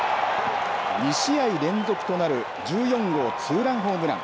２試合連続となる１４号ツーランホームラン。